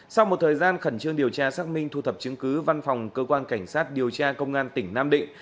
sau một thời gian khẩn trương điều tra xác minh thu thập chứng cứ văn phòng cơ quan cảnh sát điều tra công an tỉnh nam định